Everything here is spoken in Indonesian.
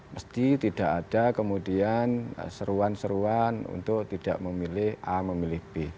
mesti tidak ada kemudian seruan seruan untuk tidak memilih a memilih b